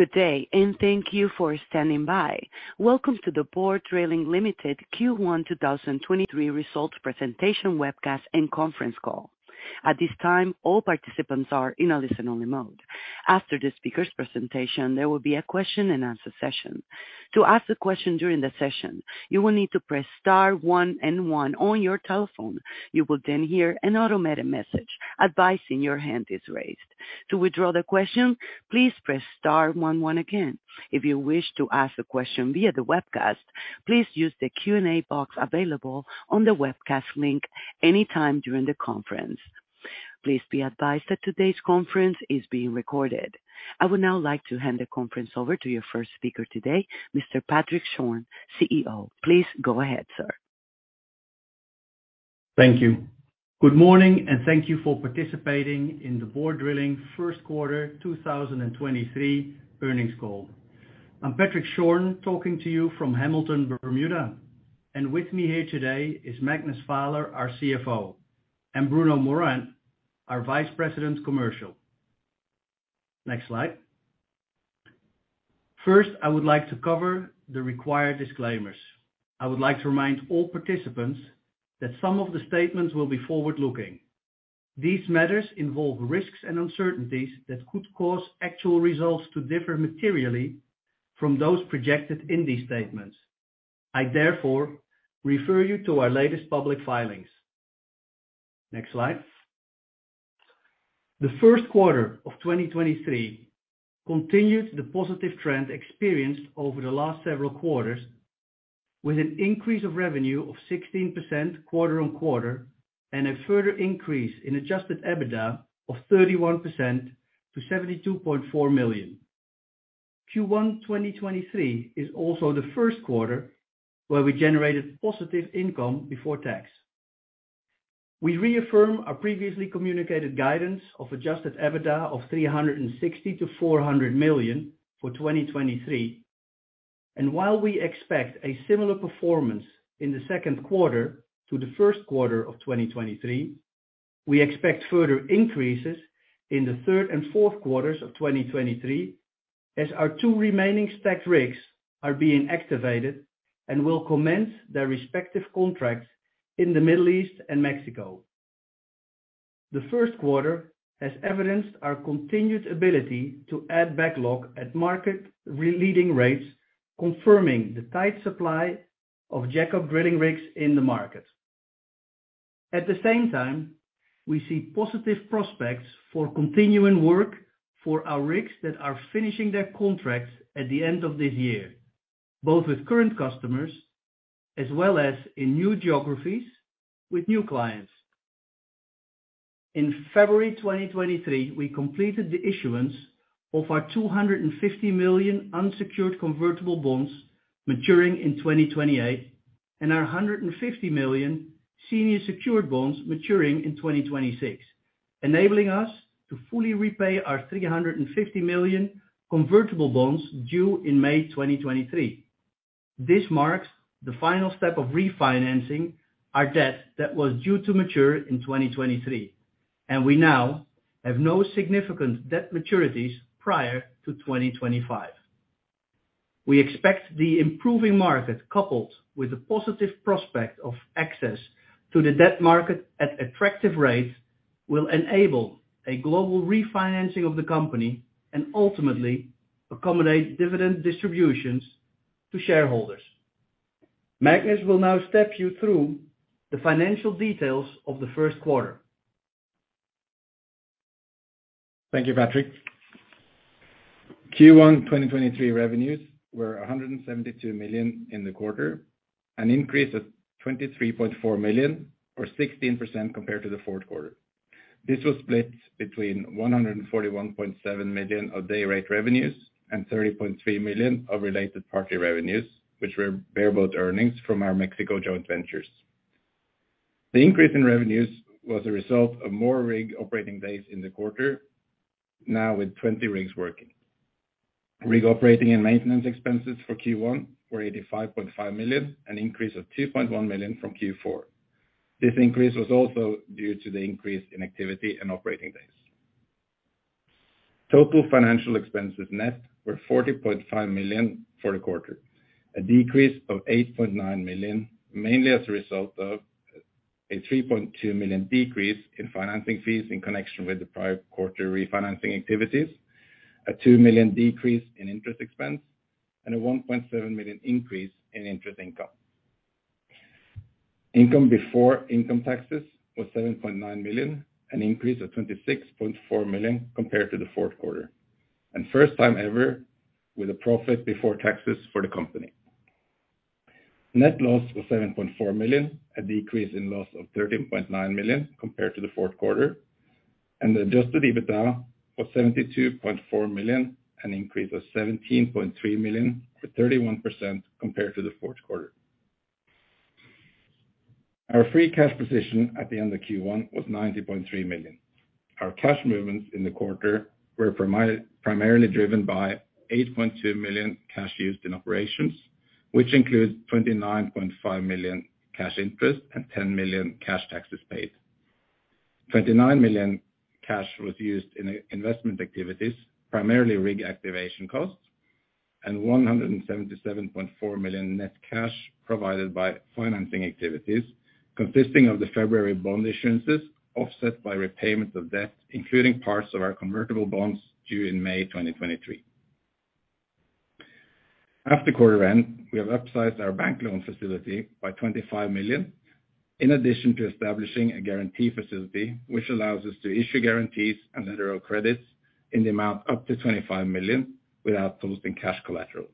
Good day, and thank you for standing by. Welcome to the Borr Drilling Limited Q1 2023 results presentation webcast and conference call. At this time, all participants are in a listen-only mode. After the speaker's presentation, there will be a question-and-answer session. To ask a question during the session, you will need to press star 1 and 1 on your telephone. You will then hear an automated message advising your hand is raised. To withdraw the question, please press star 1 1 again. If you wish to ask a question via the webcast, please use the Q&A box available on the webcast link anytime during the conference. Please be advised that today's conference is being recorded. I would now like to hand the conference over to your first speaker today, Mr. Patrick Schorn, CEO. Please go ahead, sir. Thank you. Good morning, thank you for participating in the Borr Drilling first quarter 2023 earnings call. I'm Patrick Schorn talking to you from Hamilton, Bermuda. With me here today is Magnus Vaaler, our CFO, and Bruno Morand, our Vice President, Commercial. Next slide. First, I would like to cover the required disclaimers. I would like to remind all participants that some of the statements will be forward-looking. These matters involve risks and uncertainties that could cause actual results to differ materially from those projected in these statements. I therefore refer you to our latest public filings. Next slide. The first quarter of 2023 continued the positive trend experienced over the last several quarters with an increase of revenue of 16% quarter-on-quarter and a further increase in adjusted EBITDA of 31% to $72.4 million. Q1 2023 is also the first quarter where we generated positive income before tax. We reaffirm our previously communicated guidance of adjusted EBITDA of $360 million-$400 million for 2023. While we expect a similar performance in the second quarter to the first quarter of 2023, we expect further increases in the third and fourth quarters of 2023 as our two remaining stacked rigs are being activated and will commence their respective contracts in the Middle East and Mexico. The first quarter has evidenced our continued ability to add backlog at market-leading rates, confirming the tight supply of jack-up drilling rigs in the market. At the same time, we see positive prospects for continuing work for our rigs that are finishing their contracts at the end of this year, both with current customers as well as in new geographies with new clients. In February 2023, we completed the issuance of our $250 million unsecured convertible bonds maturing in 2028 and our $150 million senior secured bonds maturing in 2026, enabling us to fully repay our $350 million convertible bonds due in May 2023. This marks the final step of refinancing our debt that was due to mature in 2023. We now have no significant debt maturities prior to 2025. We expect the improving market, coupled with the positive prospect of access to the debt market at attractive rates, will enable a global refinancing of the company and ultimately accommodate dividend distributions to shareholders. Magnus will now step you through the financial details of the first quarter. Thank you, Patrick. Q1 2023 revenues were $172 million in the quarter, an increase of $23.4 million or 16% compared to the Q4. This was split between $141.7 million of day rate revenues and $30.3 million of related party revenues, which were bareboat earnings from our Mexico joint ventures. The increase in revenues was a result of more rig operating days in the quarter, now with 20 rigs working. Rig operating and maintenance expenses for Q1 were $85.5 million, an increase of $2.1 million from Q4. This increase was also due to the increase in activity and operating days. Total financial expenses net were $40.5 million for the quarter, a decrease of $8.9 million, mainly as a result of a $3.2 million decrease in financing fees in connection with the prior quarter refinancing activities, a $2 million decrease in interest expense, and a $1.7 million increase in interest income. Income before income taxes was $7.9 million, an increase of $26.4 million compared to the fourth quarter, first time ever with a profit before taxes for the company. Net loss was $7.4 million, a decrease in loss of $13.9 million compared to the fourth quarter, the adjusted EBITDA was $72.4 million, an increase of $17.3 million or 31% compared to the fourth quarter. Our free cash position at the end of Q1 was $90.3 million. Our cash movements in the quarter were primarily driven by $8.2 million cash used in operations, which includes $29.5 million cash interest and $10 million cash taxes paid. $29 million cash was used in investment activities, primarily rig activation costs, and $177.4 million net cash provided by financing activities, consisting of the February bond issuances offset by repayment of debt, including parts of our convertible bonds due in May 2023. After quarter end, we have upsized our bank loan facility by $25 million, in addition to establishing a guarantee facility, which allows us to issue guarantees and letter of credits in the amount up to $25 million without posting cash collateral.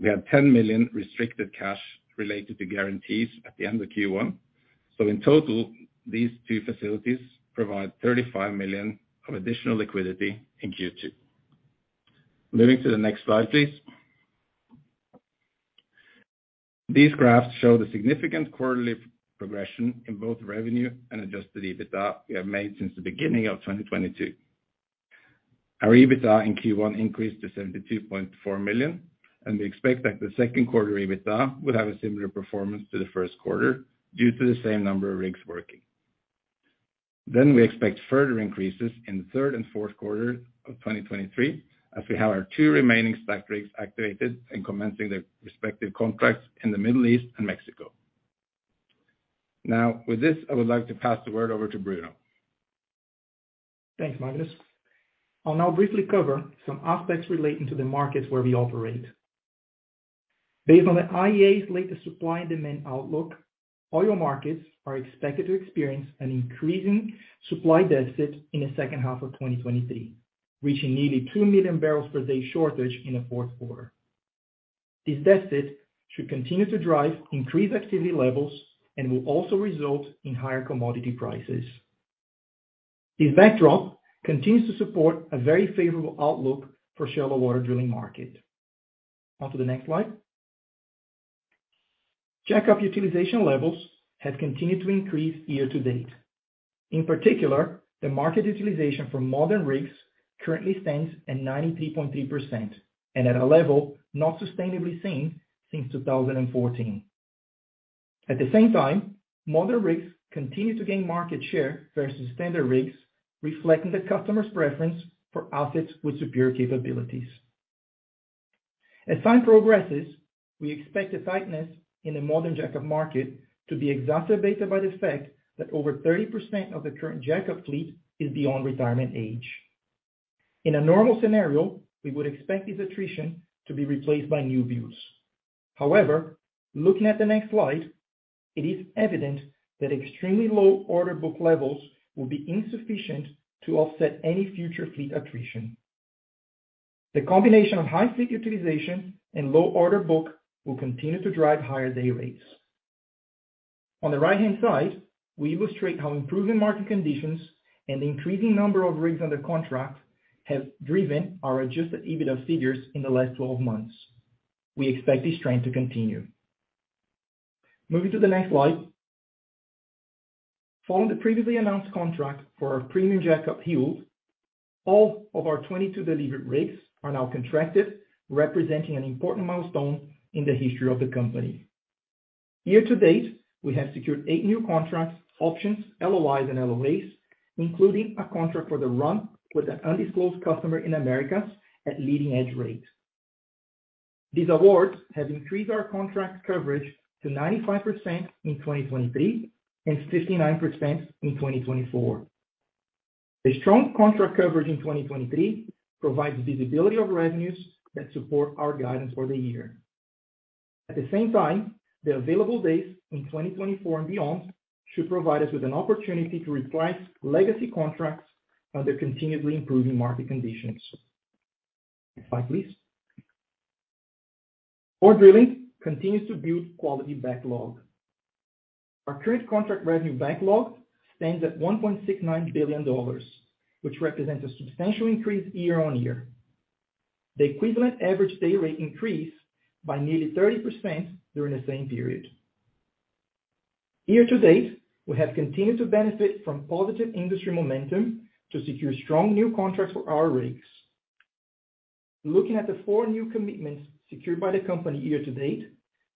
We have $10 million restricted cash related to guarantees at the end of Q1. In total, these two facilities provide $35 million of additional liquidity in Q2. Moving to the next slide, please. These graphs show the significant quarterly progression in both revenue and adjusted EBITDA we have made since the beginning of 2022. Our EBITDA in Q1 increased to $72.4 million. We expect that the second quarter EBITDA would have a similar performance to the first quarter due to the same number of rigs working. We expect further increases in the third and fourth quarter of 2023 as we have our two remaining stacked rigs activated and commencing their respective contracts in the Middle East and Mexico. With this, I would like to pass the word over to Bruno. Thanks, Magnus. I'll now briefly cover some aspects relating to the markets where we operate. Based on the IEA's latest supply and demand outlook, oil markets are expected to experience an increasing supply deficit in the second half of 2023, reaching nearly 2 million barrels per day shortage in the fourth quarter. This deficit should continue to drive increased activity levels and will also result in higher commodity prices. This backdrop continues to support a very favorable outlook for shallow water drilling market. Onto the next slide. Jackup utilization levels have continued to increase year-to-date. In particular, the market utilization for modern rigs currently stands at 93.3% and at a level not sustainably seen since 2014. At the same time, modern rigs continue to gain market share versus standard rigs, reflecting the customer's preference for assets with superior capabilities. As time progresses, we expect the tightness in the modern jack-up market to be exacerbated by the fact that over 30% of the current jack-up fleet is beyond retirement age. In a normal scenario, we would expect this attrition to be replaced by new builds. However, looking at the next slide, it is evident that extremely low order book levels will be insufficient to offset any future fleet attrition. The combination of high fleet utilization and low order book will continue to drive higher day rates. On the right-hand side, we illustrate how improving market conditions and increasing number of rigs under contract have driven our adjusted EBITDA figures in the last 12 months. We expect this trend to continue. Moving to the next slide. Following the previously announced contract for our premium jack-up Hild, all of our 22 delivered rigs are now contracted, representing an important milestone in the history of the company. Year-to-date, we have secured 8 new contracts, options, LOIs, and LOA, including a contract for the Ran with an undisclosed customer in Americas at leading edge rates. These awards have increased our contract coverage to 95% in 2023 and 69% in 2024. The strong contract coverage in 2023 provides visibility of revenues that support our guidance for the year. At the same time, the available days in 2024 and beyond should provide us with an opportunity to replace legacy contracts under continually improving market conditions. Next slide, please. Our drilling continues to build quality backlog. Our current contract revenue backlog stands at $1.69 billion, which represents a substantial increase year-on-year. The equivalent average day rate increased by nearly 30% during the same period. Year-to-date, we have continued to benefit from positive industry momentum to secure strong new contracts for our rigs. Looking at the four new commitments secured by the company year-to-date,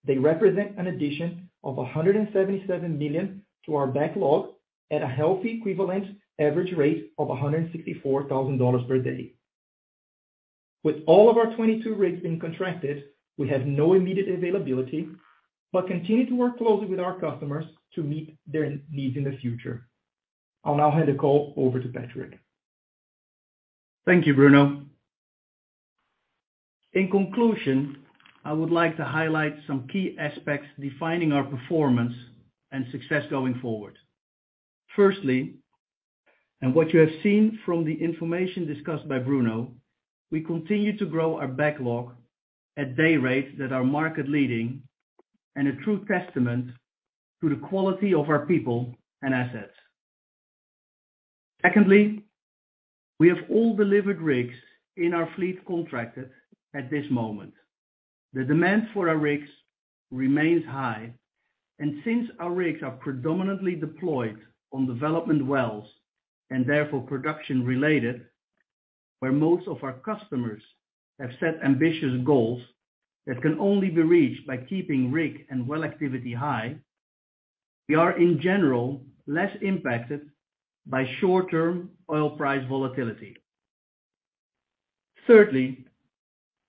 they represent an addition of $177 million to our backlog at a healthy equivalent average rate of $164,000 per day. With all of our 22 rigs being contracted, we have no immediate availability, but continue to work closely with our customers to meet their needs in the future. I'll now hand the call over to Patrick. Thank you, Bruno. In conclusion, I would like to highlight some key aspects defining our performance and success going forward. Firstly, what you have seen from the information discussed by Bruno, we continue to grow our backlog at day rates that are market leading and a true testament to the quality of our people and assets. Secondly, we have all delivered rigs in our fleet contracted at this moment. The demand for our rigs remains high, since our rigs are predominantly deployed on development wells and therefore production-related. Where most of our customers have set ambitious goals that can only be reached by keeping rig and well activity high, we are in general, less impacted by short-term oil price volatility. Thirdly,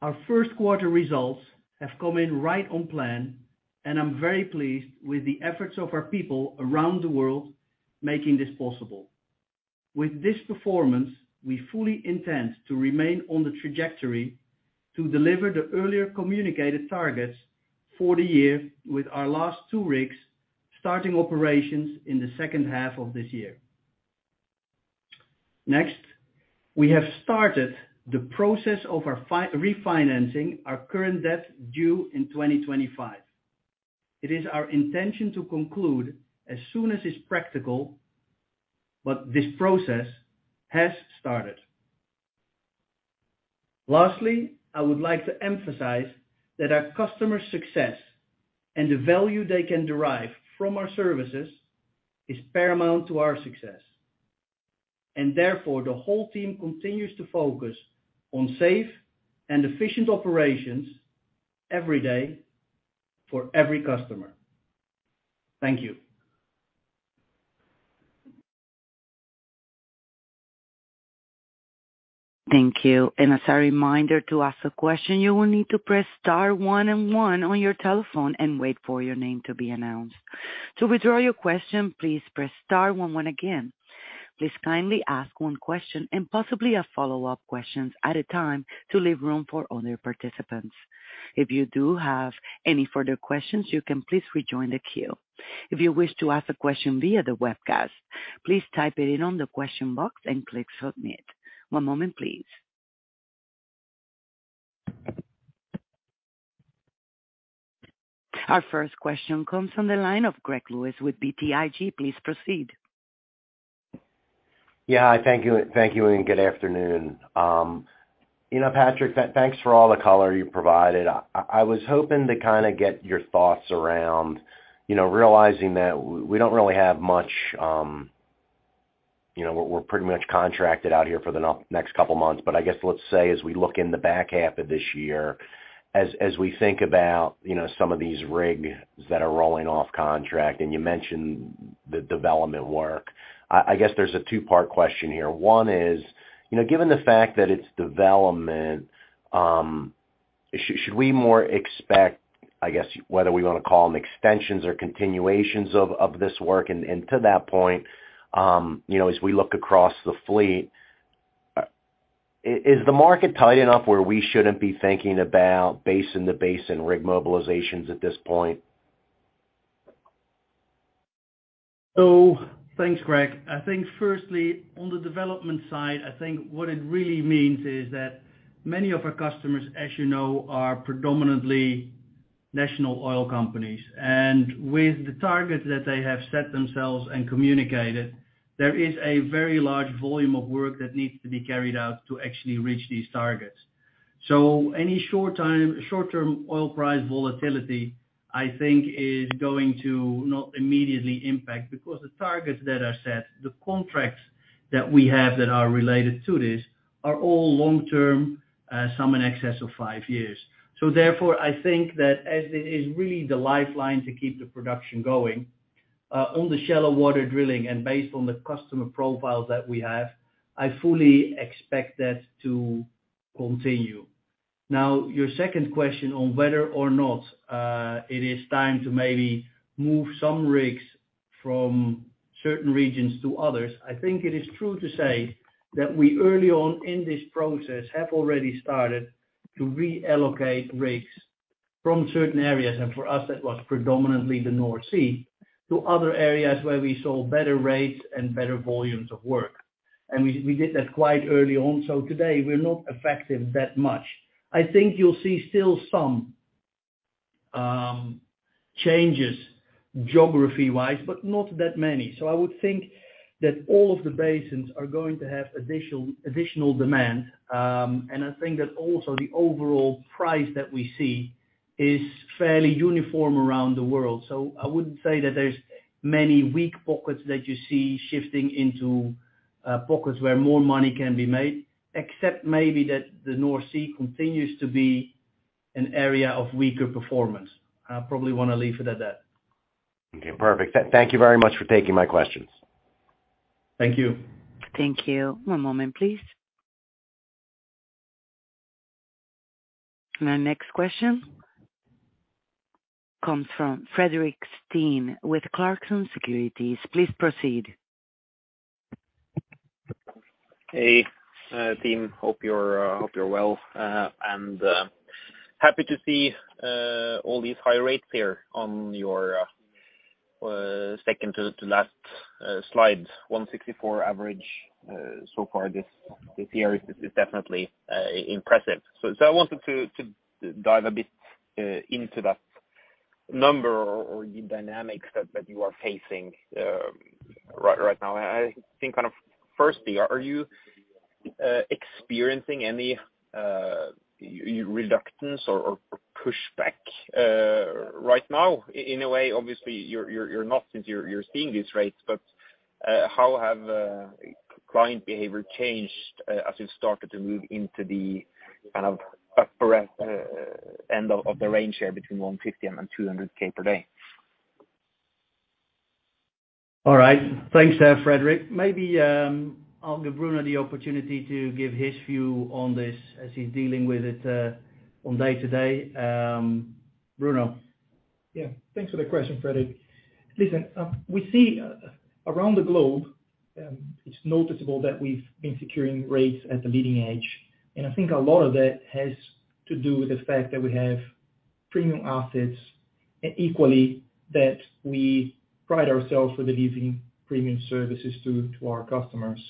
our first quarter results have come in right on plan, and I'm very pleased with the efforts of our people around the world making this possible. With this performance, we fully intend to remain on the trajectory to deliver the earlier communicated targets for the year with our last two rigs starting operations in the second half of this year. Next, we have started the process of our refinancing our current debt due in 2025. It is our intention to conclude as soon as is practical, but this process has started. Lastly, I would like to emphasize that our customer success and the value they can derive from our services is paramount to our success. Therefore, the whole team continues to focus on safe and efficient operations every day for every customer. Thank you. Thank you. As a reminder to ask a question, you will need to press star one and one on your telephone and wait for your name to be announced. To withdraw your question, please press star one one again. Please kindly ask one question and possibly a follow-up questions at a time to leave room for other participants. If you do have any further questions, you can please rejoin the queue. If you wish to ask a question via the webcast, please type it in on the question box and click submit. One moment, please. Our first question comes from the line of Greg Lewis with BTIG. Please proceed. Yeah. Thank you. Thank you, and good afternoon. You know, Patrick, thanks for all the color you provided. I was hoping to kinda get your thoughts around, you know, realizing that we don't really have much, you know, we're pretty much contracted out here for the next couple of months. I guess, let's say, as we look in the back half of this year, as we think about, you know, some of these rigs that are rolling off contract, and you mentioned the development work. I guess there's a two-part question here. One is, you know, given the fact that it's development, should we more expect, I guess, whether we wanna call them extensions or continuations of this work? To that point, you know, as we look across the fleet, is the market tight enough where we shouldn't be thinking about basin to basin rig mobilizations at this point? Thanks, Greg. I think firstly, on the development side, I think what it really means is that many of our customers, as you know, are predominantly National Oil Companies. With the targets that they have set themselves and communicated, there is a very large volume of work that needs to be carried out to actually reach these targets. Any short-term oil price volatility, I think, is going to not immediately impact because the targets that are set, the contracts that we have that are related to this, are all long-term, some in excess of 5 years. Therefore, I think that as it is really the lifeline to keep the production going, on the shallow water drilling and based on the customer profiles that we have, I fully expect that to continue. Your second question on whether or not, it is time to maybe move some rigs from certain regions to others, I think it is true to say that we early on in this process, have already started to reallocate rigs from certain areas, and for us, that was predominantly the North Sea, to other areas where we saw better rates and better volumes of work. We did that quite early on. Today, we're not affected that much. I think you'll see still some changes geography-wise, but not that many. I would think that all of the basins are going to have additional demand. I think that also the overall price that we see is fairly uniform around the world. I wouldn't say that there's many weak pockets that you see shifting into pockets where more money can be made, except maybe that the North Sea continues to be an area of weaker performance. I probably wanna leave it at that. Okay, perfect. Thank you very much for taking my questions. Thank you. Thank you. One moment, please. Our next question comes from Fredrik Stene with Clarksons Securities. Please proceed. Hey, team. Hope you're well, and happy to see all these high rates here on your second to last slide, 164 average so far this year is definitely impressive. I wanted to dive a bit into that number or the dynamics that you are facing right now. I think kind of firstly, are you experiencing any reluctance or pushback right now? In a way, obviously, you're not since you're seeing these rates. How have client behavior changed as you've started to move into the kind of upper end of the range there between $150K and $200K per day? All right. Thanks, Fredrik. Maybe, I'll give Bruno the opportunity to give his view on this as he's dealing with it on day-to-day. Bruno? Yeah. Thanks for the question, Fredrik. Listen, we see around the globe, it's noticeable that we've been securing rates at the leading edge. I think a lot of that has to do with the fact that we have premium assets, equally, that we pride ourselves with delivering premium services to our customers.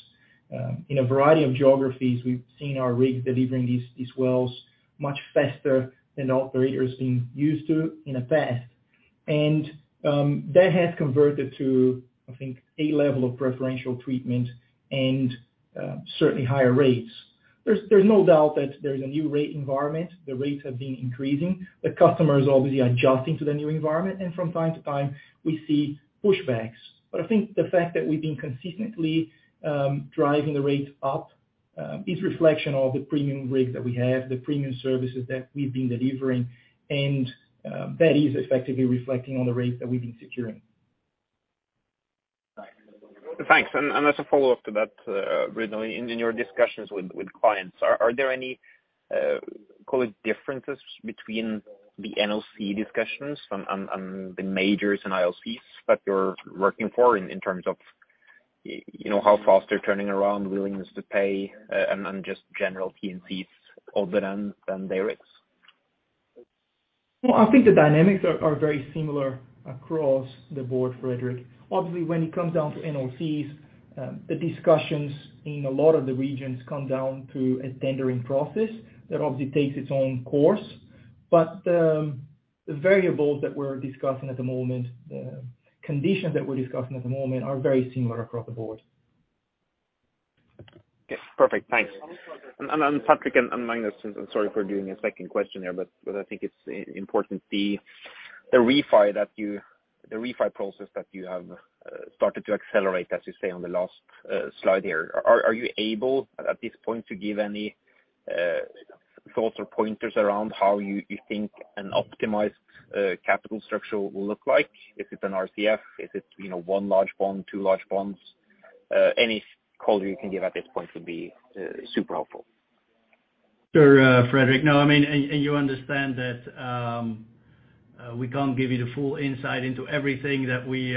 In a variety of geographies, we've seen our rigs delivering these wells much faster than the operators been used to in the past. That has converted to, I think, a level of preferential treatment and certainly higher rates. There's no doubt that there's a new rate environment. The rates have been increasing. The customer is obviously adjusting to the new environment, and from time to time we see pushbacks. I think the fact that we've been consistently driving the rates up, is reflection of the premium rigs that we have, the premium services that we've been delivering, and that is effectively reflecting on the rates that we've been securing. Thanks. As a follow-up to that, Bruno, in your discussions with clients, are there any, call it differences between the NOC discussions on the majors and IOCs that you're working for in terms of, you know, how fast they're turning around, willingness to pay, and just general T&Cs other than day rates? Well, I think the dynamics are very similar across the board, Fredrik. Obviously, when it comes down to NOCs, the discussions in a lot of the regions come down to a tendering process that obviously takes its own course. The variables that we're discussing at the moment, the conditions that we're discussing at the moment are very similar across the board. Yes. Perfect. Thanks. Patrick and Magnus, sorry for doing a second question here, but I think it's important. The refi process that you have started to accelerate, as you say on the last slide here, are you able at this point to give any thoughts or pointers around how you think an optimized capital structure will look like? Is it an RCF? Is it, you know, one large bond, two large bonds? Any color you can give at this point would be super helpful. Sure, Fredrik. No, I mean, you understand that we can't give you the full insight into everything that we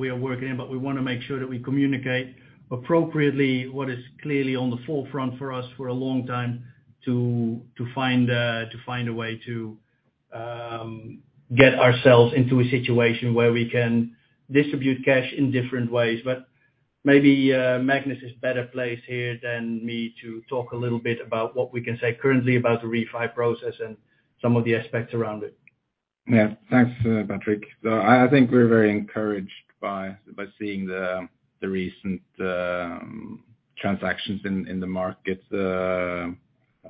we are working, but we wanna make sure that we communicate appropriately what is clearly on the forefront for us for a long time to find a way to get ourselves into a situation where we can distribute cash in different ways. Maybe Magnus is better placed here than me to talk a little bit about what we can say currently about the refi process and some of the aspects around it. Yeah. Thanks, Patrick. I think we're very encouraged by seeing the recent transactions in the market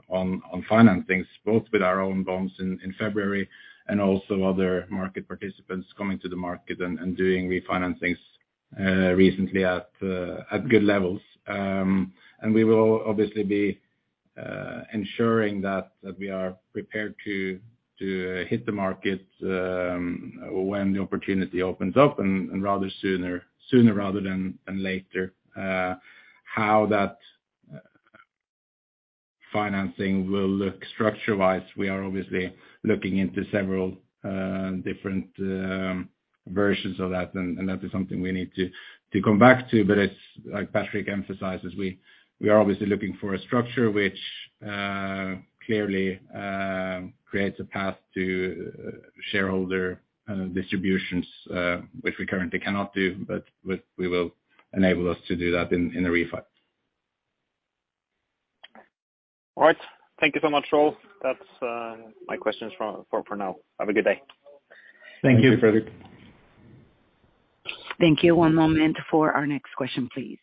on financings, both with our own bonds in February and also other market participants coming to the market and doing refinancings recently at good levels. We will obviously be ensuring that we are prepared to hit the market when the opportunity opens up and rather sooner rather than later. How that financing will look structure-wise, we are obviously looking into several different versions of that and that is something we need to come back to. It's like Patrick emphasizes, we are obviously looking for a structure which clearly creates a path to shareholder distributions which we currently cannot do, we will enable us to do that in the refi. All right. Thank you so much, all. That's my questions for now. Have a good day. Thank you. Thank you, Fredrik. Thank you. One moment for our next question, please.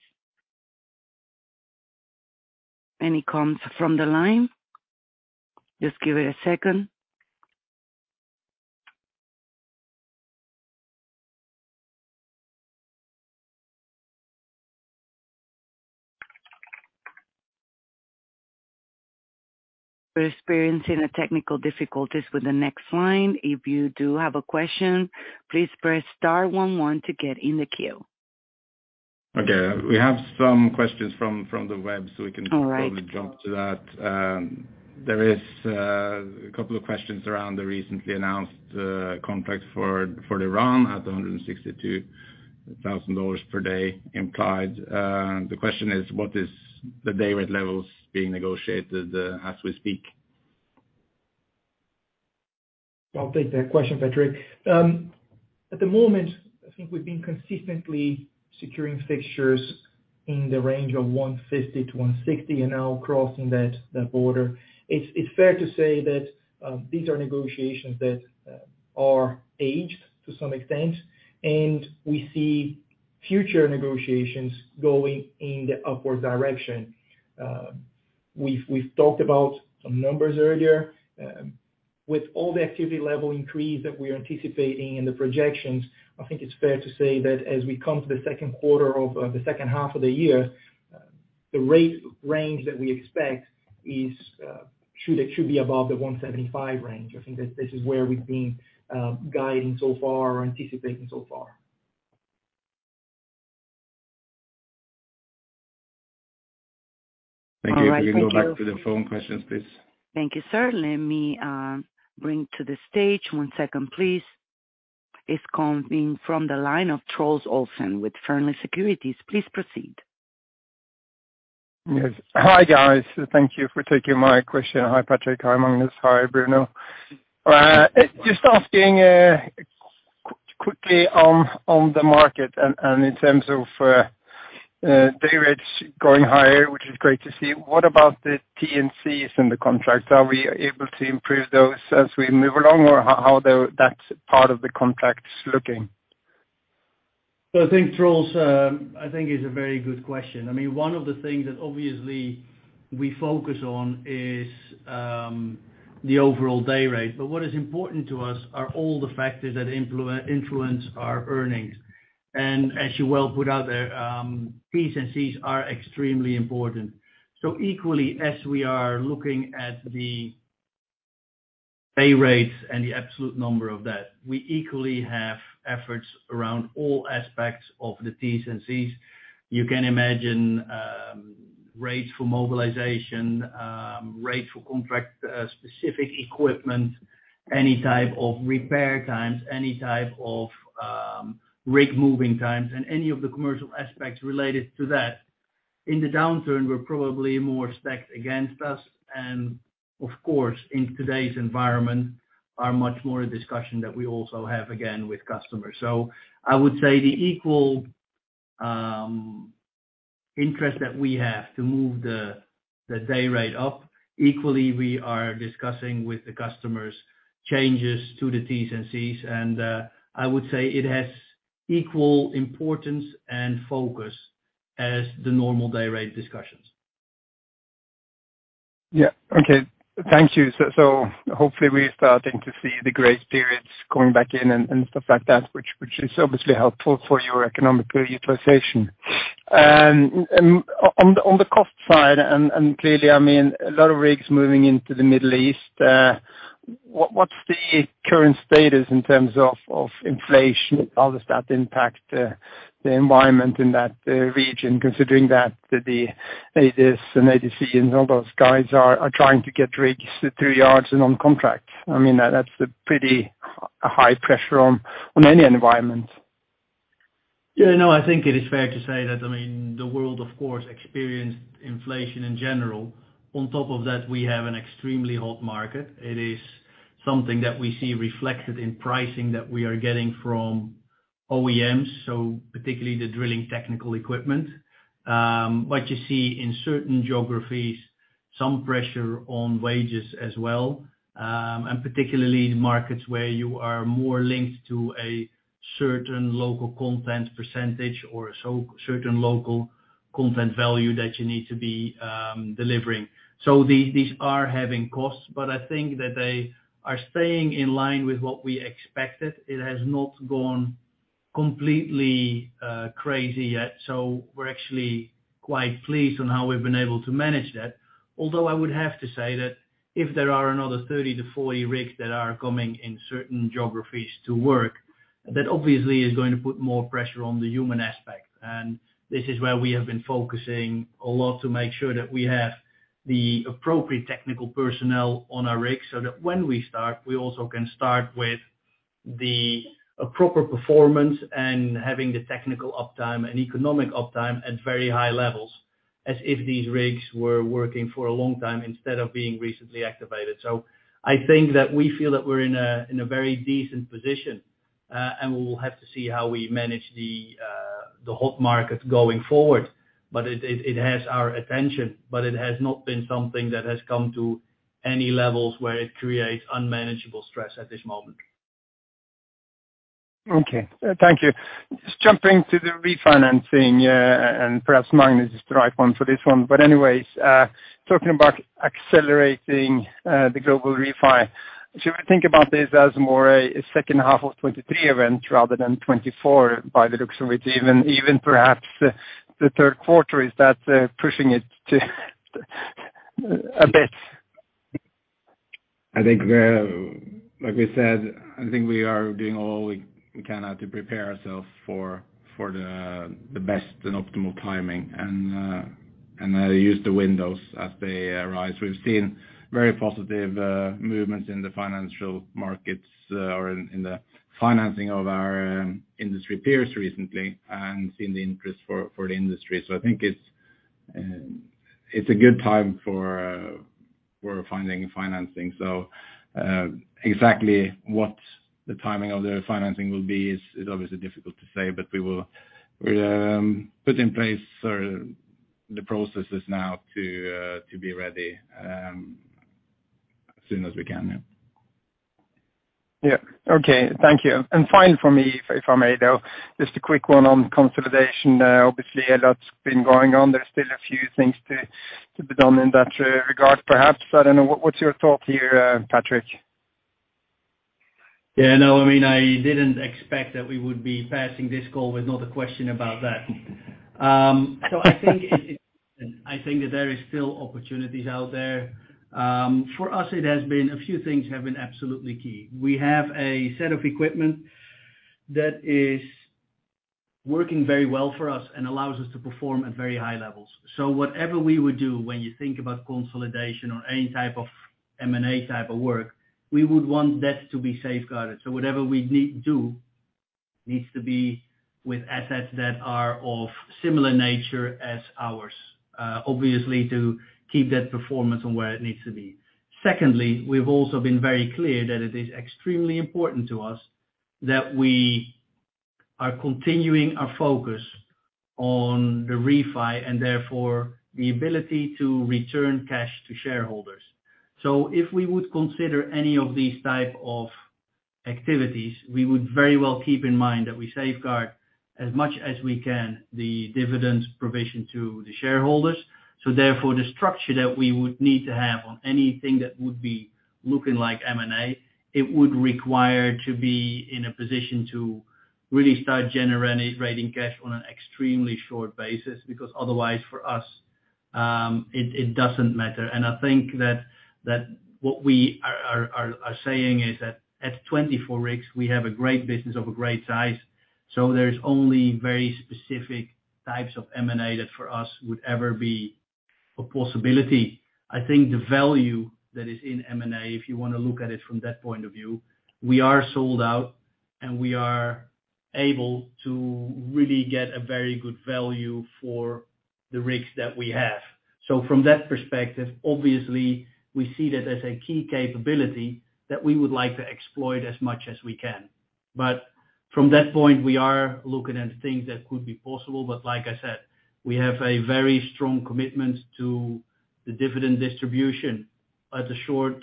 Any comments from the line? Just give it a second. We're experiencing technical difficulties with the next line. If you do have a question, please press star one one to get in the queue. Okay. We have some questions from the web. All right.... probably jump to that. There is a couple of questions around the recently announced contract for Idun at $162,000 per day implied. The question is, what is the day rate levels being negotiated as we speak? I'll take that question, Patrick. At the moment, I think we've been consistently securing fixtures in the range of $150-$160 and now crossing that border. It's fair to say that these are negotiations that are aged to some extent, and we see- Future negotiations going in the upward direction. We've talked about some numbers earlier. With all the activity level increase that we are anticipating in the projections, I think it's fair to say that as we come to the second quarter of the second half of the year, the rate range that we expect is it should be above the $175 range. I think that this is where we've been guiding so far or anticipating so far. Thank you. All right. Thank you. Can you go back to the phone questions, please? Thank you, sir. Let me, bring to the stage. One second please. It's coming from the line of Truls Olsen with Fearnley Securities. Please proceed. Yes. Hi, guys. Thank you for taking my question. Hi, Patrick. Hi, Magnus. Hi, Bruno. Just asking quickly on the market and in terms of day rates going higher, which is great to see. What about the T&Cs in the contracts? Are we able to improve those as we move along, or how that part of the contract's looking? I think, Truls, I think is a very good question. I mean, one of the things that obviously we focus on is the overall day rate. What is important to us are all the factors that influence our earnings. As you well put out there, T&Cs are extremely important. Equally, as we are looking at the day rates and the absolute number of that, we equally have efforts around all aspects of the T&Cs. You can imagine, rates for mobilization, rate for contract, specific equipment, any type of repair times, any type of rig moving times, and any of the commercial aspects related to that. In the downturn, we're probably more stacked against us, and of course, in today's environment, are much more a discussion that we also have again with customers. I would say the equal interest that we have to move the day rate up, equally, we are discussing with the customers changes to the T&Cs, and I would say it has equal importance and focus as the normal day rate discussions. Yeah. Okay. Thank you. Hopefully we're starting to see the gray periods coming back in and stuff like that, which is obviously helpful for your economic peer utilization. On the cost side, and clearly, I mean, a lot of rigs moving into the Middle East, what's the current status in terms of inflation? How does that impact the environment in that region, considering that the ADUs and ADCs and all those guys are trying to get rigs through yards and on contract? I mean, that's a pretty high pressure on any environment. Yeah, no, I think it is fair to say that, I mean, the world, of course, experienced inflation in general. On top of that, we have an extremely hot market. It is something that we see reflected in pricing that we are getting from OEMs, so particularly the drilling technical equipment. What you see in certain geographies, some pressure on wages as well, and particularly in markets where you are more linked to a certain local content % or certain local content value that you need to be delivering. These are having costs, but I think that they are staying in line with what we expected. It has not gone completely crazy yet. We're actually quite pleased on how we've been able to manage that. Although I would have to say that if there are another 30-40 rigs that are coming in certain geographies to work, that obviously is going to put more pressure on the human aspect. This is where we have been focusing a lot to make sure that we have the appropriate technical personnel on our rigs so that when we start, we also can start with the appropriate performance and having the technical uptime and economic uptime at very high levels as if these rigs were working for a long time instead of being recently activated. I think that we feel that we're in a very decent position, and we will have to see how we manage the hot market going forward. It has our attention, but it has not been something that has come to any levels where it creates unmanageable stress at this moment. Okay. Thank you. Just jumping to the refinancing, perhaps Magnus is the right one for this one. Anyways, talking about accelerating, the global refi, should we think about this as more a second half of 2023 event rather than 2024 by the looks of it, even perhaps the third quarter? Is that, pushing it to a bit? I think, like we said, I think we are doing all we can to prepare ourselves for the best and optimal timing and use the windows as they arise. We've seen very positive movements in the financial markets, or in the financing of our industry peers recently and seen the interest for the industry. I think it's a good time for finding financing. Exactly what the timing of the financing will be is obviously difficult to say, but we will put in place the processes now to be ready as soon as we can, yeah. Yeah. Okay. Thank you. Final for me, if I may, though, just a quick one on consolidation. Obviously a lot's been going on. There's still a few things to be done in that regard, perhaps. I don't know, what's your thought here, Patrick? Yeah, no, I mean, I didn't expect that we would be passing this call with not a question about that. I think that there is still opportunities out there. For us, it has been, a few things have been absolutely key. We have a set of equipment that is working very well for us and allows us to perform at very high levels. Whatever we would do, when you think about consolidation or any type of M&A type of work, we would want that to be safeguarded. Whatever we need do, needs to be with assets that are of similar nature as ours, obviously to keep that performance on where it needs to be. Secondly, we've also been very clear that it is extremely important to us that we are continuing our focus on the refi, and therefore, the ability to return cash to shareholders. If we would consider any of these type of activities, we would very well keep in mind that we safeguard as much as we can, the dividends provision to the shareholders. Therefore, the structure that we would need to have on anything that would be looking like M&A, it would require to be in a position to really start generating cash on an extremely short basis because otherwise for us, it doesn't matter. I think that what we are saying is that at 24 rigs, we have a great business of a great size, so there's only very specific types of M&A that for us would ever be a possibility. I think the value that is in M&A, if you wanna look at it from that point of view, we are sold out, and we are able to really get a very good value for the rigs that we have. From that perspective, obviously, we see that as a key capability that we would like to exploit as much as we can. From that point, we are looking at things that could be possible. Like I said, we have a very strong commitment to the dividend distribution at a short,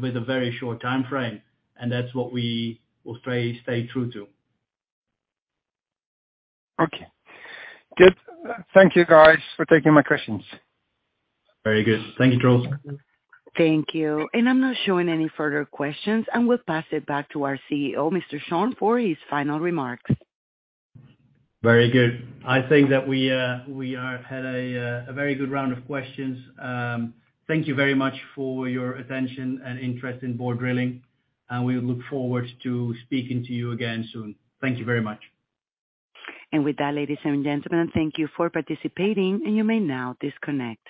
with a very short timeframe, and that's what we will stay true to. Okay. Good. Thank you guys for taking my questions. Very good. Thank you, Truls. Thank you. I'm not showing any further questions, and we'll pass it back to our CEO, Schorn, for his final remarks. Very good. I think that we had a very good round of questions. Thank you very much for your attention and interest in Borr Drilling. We look forward to speaking to you again soon. Thank you very much. With that, ladies and gentlemen, thank you for participating, and you may now disconnect.